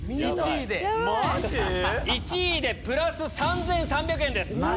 マジ⁉１位でプラス３３００円です。